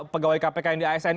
pegawai kpk yang di asn